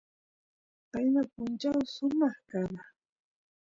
qayna punchaw sumaq kara